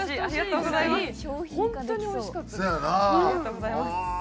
ありがとうございます。